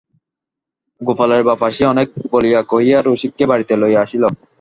গোপালের বাপ আসিয়া অনেক বলিয়া কহিয়া রসিককে বাড়িতে লইয়া আসিল।